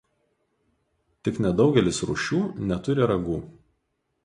Tik nedaugelis rūšių neturi ragų.